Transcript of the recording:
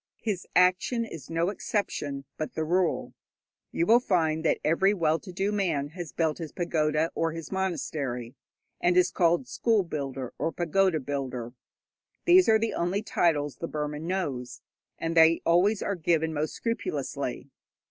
His action is no exception, but the rule. You will find that every well to do man has built his pagoda or his monastery, and is called 'school builder' or 'pagoda builder.' These are the only titles the Burman knows, and they always are given most scrupulously.